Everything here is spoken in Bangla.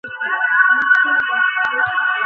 নাকের কাছে মুক্তোর মতো কিছু ঘামের বিন্দু।